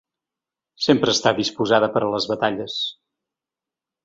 Sempre està disposada per a les batalles.